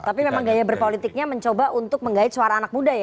tapi memang gaya berpolitiknya mencoba untuk menggait suara anak muda ya